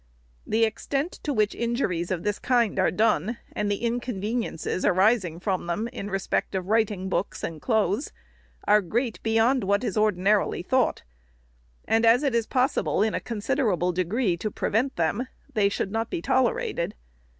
The extent to which injuries of this kind are done, and the inconveniences arising from them in respect of writing books and clothes, are great beyond what is ordinarily thought ; and, as it is possible in a considerable degree to prevent them, they should not be tolerated.